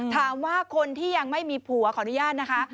ถามว่าคนที่ยังไม่มีผัวขออนุญาตนะคะ